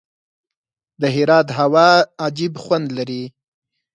د هرات هوا عجیب خوند لري.